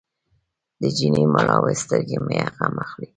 د جینۍ مړاوې سترګې مې غم اخلي.